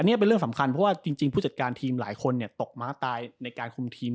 นี่เป็นเรื่องสำคัญเพราะว่าจริงผู้จัดการทีมหลายคนตกม้าตายในการคุมทีม